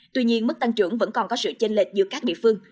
tuy nhiên mức tăng trưởng vẫn còn có sự chênh lệch giữa các địa phương